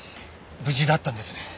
無事だったんですね。